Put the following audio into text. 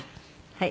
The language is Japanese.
はい。